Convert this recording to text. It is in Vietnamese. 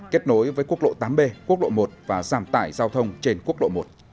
kết nối với quốc lộ tám b quốc lộ một và giảm tải giao thông trên quốc lộ một